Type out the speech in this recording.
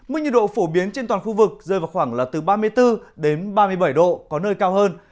mức nhiệt độ phổ biến trên toàn khu vực rơi vào khoảng là từ ba mươi bốn đến ba mươi bảy độ có nơi cao hơn